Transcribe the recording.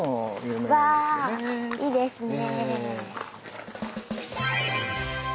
うわいいですね。